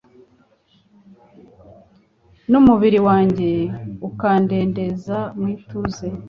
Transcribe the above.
n’umubiri wanjye ukadendeza mu ituze